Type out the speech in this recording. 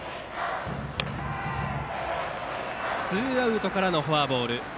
ツーアウトからのフォアボール。